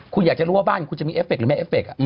คุณอยากจะรู้ว่าบ้านคุณจะมีเอฟเคหรือไม่เอฟเค